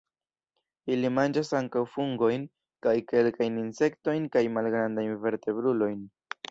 Ili manĝas ankaŭ fungojn, kaj kelkajn insektojn kaj malgrandajn vertebrulojn.